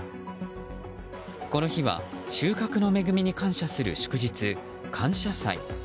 この日は収穫の恵みに感謝する祝日、感謝祭。